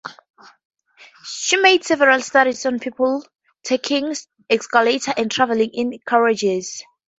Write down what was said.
She made several studies on people taking escalators and travelling in carriages.